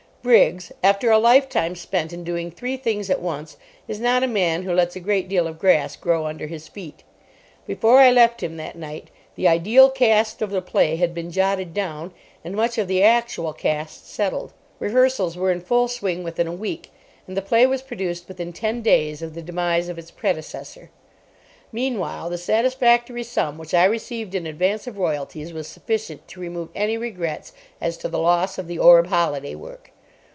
Briggs, after a lifetime spent in doing three things at once, is not a man who lets a great deal of grass grow under his feet. Before I left him that night the "ideal cast" of the play had been jotted down, and much of the actual cast settled. Rehearsals were in full swing within a week, and the play was produced within ten days of the demise of its predecessor. Meanwhile, the satisfactory sum which I received in advance of royalties was sufficient to remove any regrets as to the loss of the Orb holiday work.